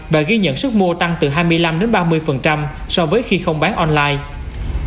và ghi nhận sức mua tăng từ hai mươi năm ba mươi so với khi không bán online